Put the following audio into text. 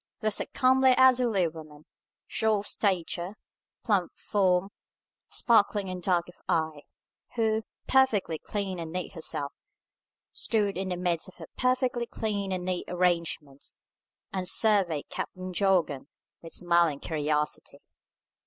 Thus a comely elderly woman, short of stature, plump of form, sparkling and dark of eye, who, perfectly clean and neat herself, stood in the midst of her perfectly clean and neat arrangements, and surveyed Captain Jorgan with smiling curiosity.